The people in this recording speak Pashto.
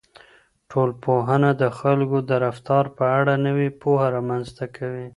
ټولنپوهنه د خلکو د رفتار په اړه نوې پوهه رامنځته کوي.